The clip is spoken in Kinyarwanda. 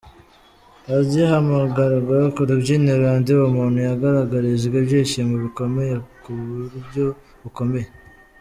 Agihamagarwa ku rubyiniro, Andy Bumuntu yagaragarijwe ibyishimo bikomeye ku buryo bukomeye.